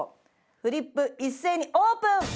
フリップ一斉にオープン！